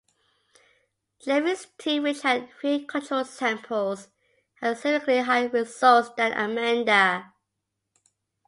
Jeffrey's team, which had three control samples, had significantly higher results than Amanda.